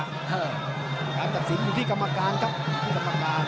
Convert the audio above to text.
เฮ้อการจัดสินอยู่ที่กรรมการครับ